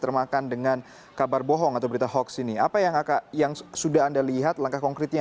termakan dengan kabar bohong atau berita hoax ini apa yang sudah anda lihat langkah konkretnya